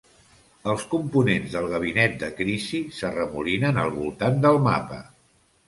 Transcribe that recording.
Els components del gabinet de crisi s'arremolinen al voltant del mapa.